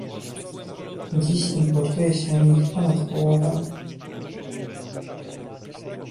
Dziś importuje się ich ponad połowę